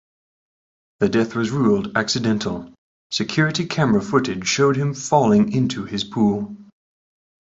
The death was ruled accidental; security camera footage showed him falling into his pool.